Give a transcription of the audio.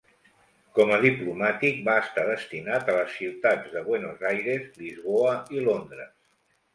Com a diplomàtic va estar destinat a les ciutats de Buenos Aires, Lisboa i Londres.